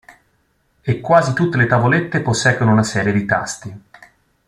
E quasi tutte le tavolette posseggono una serie di tasti.